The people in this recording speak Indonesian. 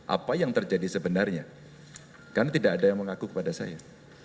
apa yang terjadi sebenarnya karena tidak ada yang mengaku kepada saya